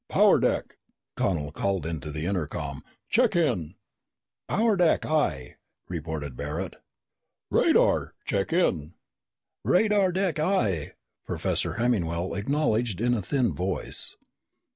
"Power deck," Connel called into the intercom, "check in!" "Power deck, aye!" reported Barret. "Radar deck, check in!" "Radar deck, aye!" Professor Hemmingwell acknowledged in a thin voice.